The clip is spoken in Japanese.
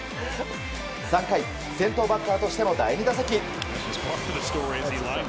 ３回、先頭バッターとしての第２打席。